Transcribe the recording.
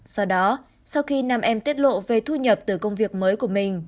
do đó sau khi nam em tiết lộ về thu nhập từ công việc mới của mình